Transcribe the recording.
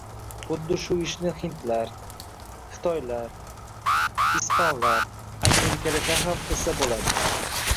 Xuddi shu ishni hindlar, xitoylar, ispanlar, amerikaliklar ham qilsa bo‘ladi.